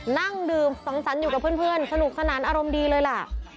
นั่งดื่มสังสรรค์อยู่กับเพื่อนสนุกสนานอารมณ์ดีเลยล่ะ